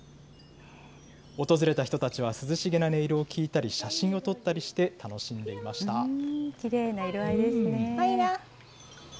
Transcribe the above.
訪れた人たちは涼しげな音色を聞いたり写真を撮ったりして楽きれいな色合いですね。